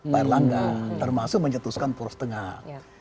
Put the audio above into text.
pak erlangga termasuk mencetuskan purwos tengah